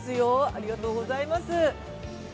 ありがとうございます。